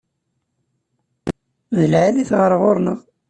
D lɛali-t ɣer ɣur-neɣ.